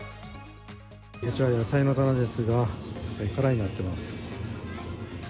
こちら野菜の棚ですが、空になっています。